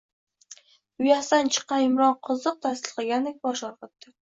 Uyasidan chiqqan yumronqoziq tasdiqlagandek bosh irgʻitdi